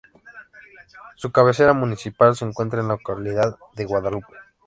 Su cabecera municipal se encuentra en la localidad de Guadalupe.